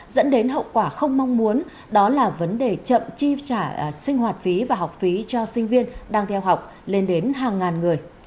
dẫn đến hậu quả không mong muốn đó là vấn đề chậm chi trả sinh hoạt phí và học phí cho sinh viên đang theo học lên đến hàng ngàn người